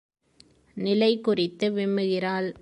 நிலை குறித்து விம்முகிறாள்.